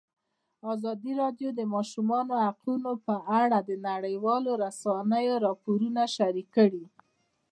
ازادي راډیو د د ماشومانو حقونه په اړه د نړیوالو رسنیو راپورونه شریک کړي.